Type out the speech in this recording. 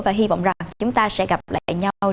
và hy vọng rằng chúng ta sẽ gặp lại nhau